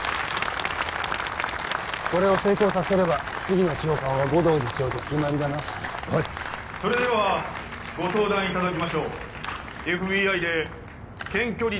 これを成功させれば次の長官は護道次長で決まりだなおいっそれではご登壇いただきましょうＦＢＩで検挙率